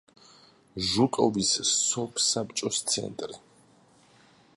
ჟუკოვის სოფსაბჭოს ცენტრი.